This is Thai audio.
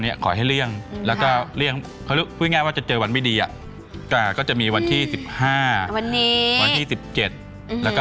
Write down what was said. จะให้เรียงนี้แล้วก็เรียนพูดง่ายง่ายว่าจะเจอวันไม่ดีอ่ะก็จะมีวันที่๑๕วันนี้เฉ็ดแล้ว